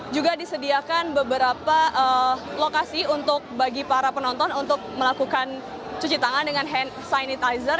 juga disediakan beberapa lokasi untuk bagi para penonton untuk melakukan cuci tangan dengan hand sanitizer